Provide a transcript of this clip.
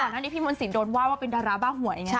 ตอนนั้นพี่มานสิทธิ์โดนว่าเป็นดาราบ้าหวย